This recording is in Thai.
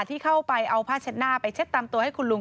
ที่เข้าไปเอาผ้าเช็ดหน้าไปเช็ดตามตัวให้คุณลุง